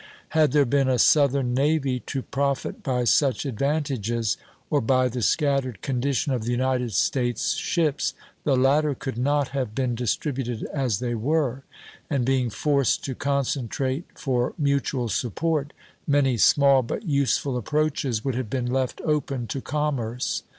Had there been a Southern navy to profit by such advantages, or by the scattered condition of the United States ships, the latter could not have been distributed as they were; and being forced to concentrate for mutual support, many small but useful approaches would have been left open to commerce.